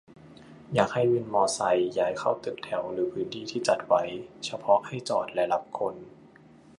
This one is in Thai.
อยากให้วินมอไซค์ย้ายเข้าตึกแถวหรือพื้นที่ที่จัดไว้เฉพาะให้จอดและรับคน